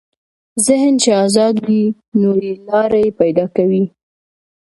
ذهن چې ازاد وي، نوې لارې پیدا کوي.